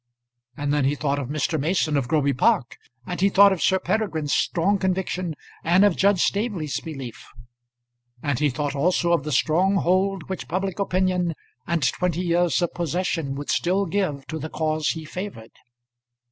And then he thought of Mr. Mason of Groby Park; and he thought of Sir Peregrine's strong conviction, and of Judge Staveley's belief; and he thought also of the strong hold which public opinion and twenty years of possession would still give to the cause he favoured.